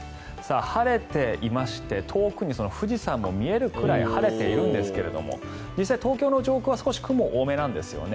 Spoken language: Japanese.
晴れていまして遠くに富士山も見えるくらい晴れているんですけれども実際、東京の上空は少し、雲多めなんですよね。